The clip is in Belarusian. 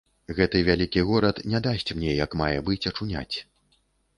Гэты вялікі горад не дасць мне як мае быць ачуняць.